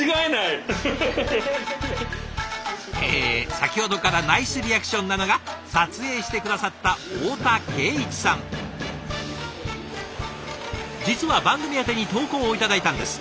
先ほどからナイスリアクションなのが実は番組宛に投稿を頂いたんです。